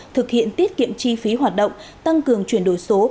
thực hiện tiết kiệm chi phí hoạt động tăng cường chuyển đổi số